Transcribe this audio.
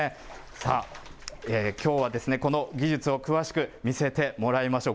さあ、きょうはこの技術を詳しく見せてもらいましょう。